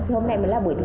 hôm nay không sao chị